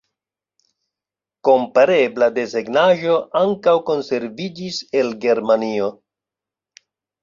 Komparebla desegnaĵo ankaŭ konserviĝis el Germanio.